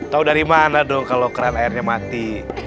tahu dari mana dong kalau keran airnya mati